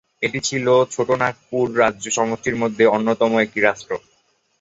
এটি ছিল ছোটনাগপুর রাজ্য সমষ্টির মধ্যে অন্যতম একটি রাজ্য।